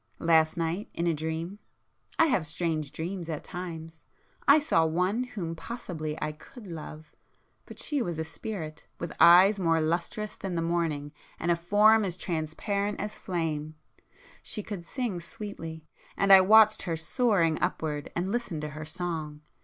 Last night, in a dream,—I have strange dreams at times,—I saw one whom possibly I could love,—but she was a Spirit, with eyes more lustrous than the morning, and a form as transparent as flame;—she could sing sweetly, and I watched her soaring upward, and listened to her song.